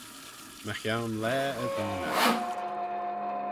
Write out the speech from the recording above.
Mychione laa y doonaght.